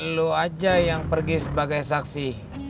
lu aja yang pergi sebagai saksi